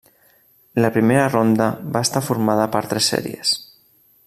La primera ronda va estar formada per tres sèries.